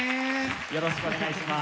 よろしくお願いします。